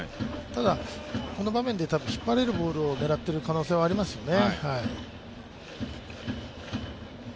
ただ、この場面で引っ張れるボールを狙っている可能性はありますよね。